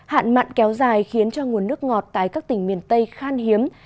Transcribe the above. hạn mặn kéo dài khiến cho nguồn nước ngọt tại các tỉnh miền tây khan hiếm